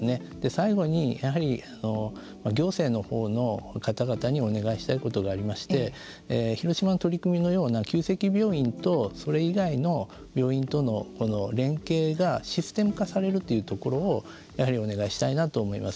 最後に、やはり行政のほうの方々にお願いしたいことがありまして広島の取り組みのような急性期病院とそれ以外の病院との連携がシステム化されるというところをやはりお願いしたいなと思います。